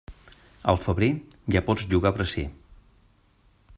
Al febrer, ja pots llogar bracer.